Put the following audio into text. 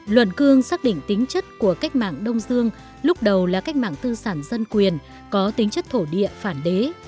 luận cương xác định tính chất của cách mạng đông dương lúc đầu là cách mạng tư sản dân quyền có tính chất thổ địa phản đế